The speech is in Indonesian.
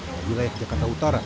di wilayah jakarta utara